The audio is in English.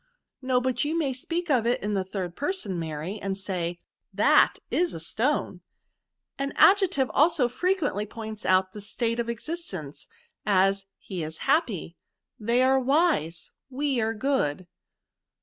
*^No, but you may speak of it in the third A A 266 VERBS. person, Mary, and say, 'that is a stone/ An adjective also frequently points out the state of existence ; as, he is happy, they are wise, we are good."